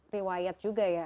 riwayat juga ya